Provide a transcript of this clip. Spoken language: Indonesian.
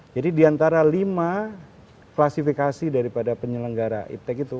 jadi diantara lima klasifikasi daripada penyelenggara iptec itu